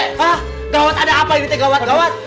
hah gawat ada apa ini teh gawat gawat